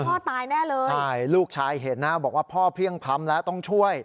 พ่อตายแน่เลยใช่ลูกชายเห็นนะบอกว่าพ่อเพลี่ยงพ้ำแล้วต้องช่วย